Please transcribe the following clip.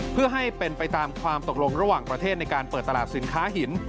เพื่อให้เป็นไปตามความตกลงระหว่างประเทศในการเปิดตลาดสินค้าหิน